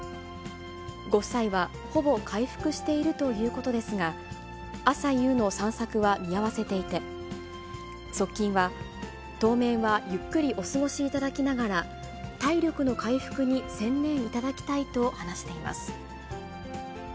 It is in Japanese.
ご夫妻はほぼ回復しているということですが、朝夕の散策は見合わせていて、側近は、当面はゆっくりお過ごしいただきながら、体力の回復に専念いただきたいと話しています。